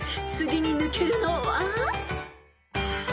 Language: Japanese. ［次に抜けるのは？］